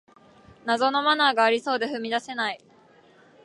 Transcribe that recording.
謎のマナーがありそうで踏み出せない